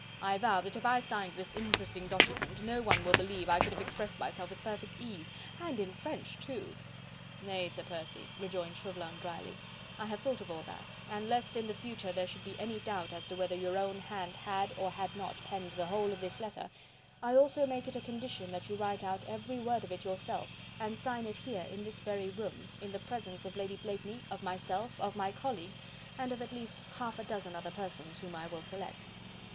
I vow that if I signed this interesting document no one will believe I could have expressed myself with perfect ease.. and in French too..." "Nay, Sir Percy," rejoined Chauvelin drily, "I have thought of all that, and lest in the future there should be any doubt as to whether your own hand had or had not penned the whole of this letter, I also make it a condition that you write out every word of it yourself, and sign it here in this very room, in the presence of Lady Blakeney, of myself, of my colleagues and of at least half a dozen other persons whom I will select."